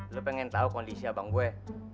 lo pengen tahu kondisi abang gue